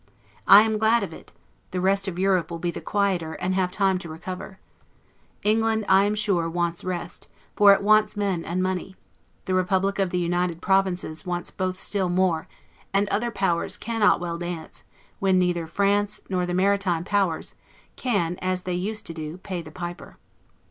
I am glad of it; the rest of Europe will be the quieter, and have time to recover. England, I am sure, wants rest, for it wants men and money; the Republic of the United Provinces wants both still more; the other Powers cannot well dance, when neither France, nor the maritime powers, can, as they used to do, pay the piper.